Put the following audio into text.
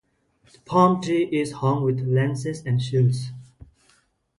The palm tree is hung with lances and shields.